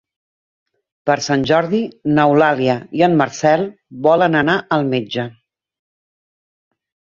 Per Sant Jordi n'Eulàlia i en Marcel volen anar al metge.